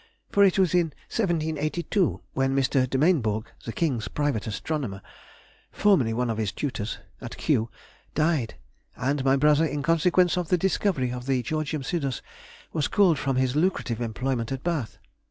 For it was in 1782 when Mr. De Mainborg, the King's private astronomer (formerly one of his tutors) at Kew, died, and my brother, in consequence of the discovery of the G. Sidus, was called from his lucrative employment at Bath.